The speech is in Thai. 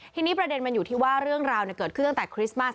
ทีนี้ประเด็นมันอยู่ที่ว่าเรื่องราวเกิดขึ้นตั้งแต่คริสต์มาส